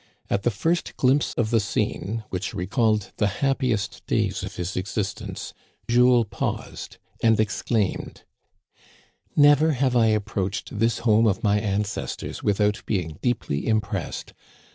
At the first glimpse of the scene which recalled the hap piest days of his existence, Jules paused and exclaimed: " Never have I approached this home of my ances tors without being deeply impressed.